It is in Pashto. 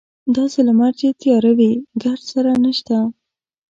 داسې لمر چې تیاره وي ګردسره نشته.